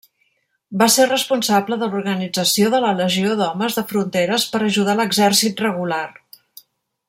Va ser responsable de l'organització de la Legió d'Homes de Fronteres per ajudar l'exèrcit regular.